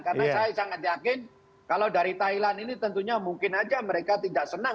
karena saya sangat yakin kalau dari thailand ini tentunya mungkin saja mereka tidak senang